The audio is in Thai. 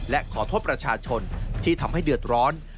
และขอโทษประชาชนที่ทำให้เดือดร้อน